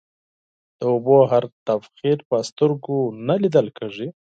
د اوبو هر تبخير په سترگو نه ليدل کېږي.